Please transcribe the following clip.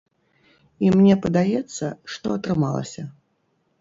І мне падаецца, што атрымалася.